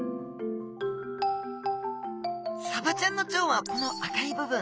サバちゃんの腸はこの赤い部分。